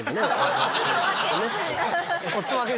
お裾分け。